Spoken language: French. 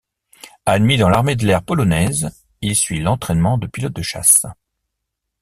Admis dans l'Armée de l'air polonaise il suit l'entraînement de pilote de chasse.